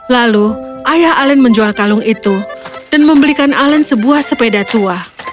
lalu ayah alen menjual kalung itu dan membelikan alen sebuah sepeda tua